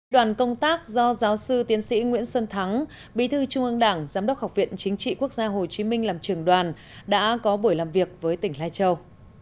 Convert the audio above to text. đoàn công tác do giáo sư tiến sĩ nguyễn xuân thắng bí thư trung ương đảng giám đốc học viện chính trị quốc gia hồ chí minh làm trường đoàn đã có buổi làm việc với tỉnh lai châu